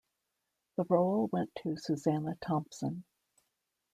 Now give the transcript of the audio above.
The role went to Susanna Thompson.